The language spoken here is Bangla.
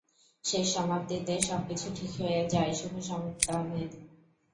শেষ সমাপ্তি তে, সব কিছু ঠিক হয়ে জায়, শুভ সমাপ্তী।